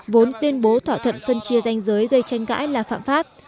vốn tuyên bố thỏa thuận phân chia danh giới gây tranh cãi là phạm pháp